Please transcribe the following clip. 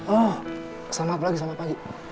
oh selamat pagi